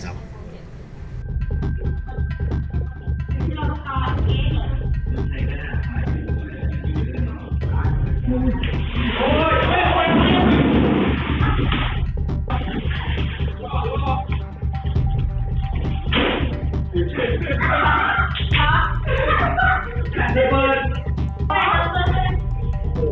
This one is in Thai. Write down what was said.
สวัสดีครับวันนี้เราจะกลับมาเมื่อไหร่